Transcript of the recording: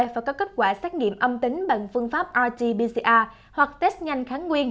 và có kết quả xét nghiệm âm tính bằng phương pháp rt pcr hoặc test nhanh kháng nguyên